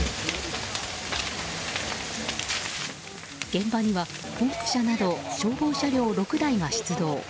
現場にはポンプ車など消防車両６台が出動。